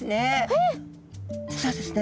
実はですね